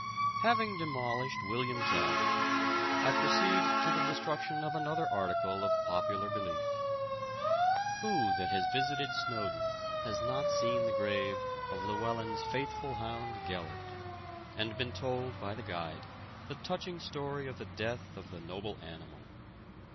Having demolished William Tell, I proceed to the destruction of another article of popular belief. Who that has visited Snowdon has not seen the grave of Llewellyn's faithful hound Gellert, and been told by the guide the touching story of the death of the noble animal?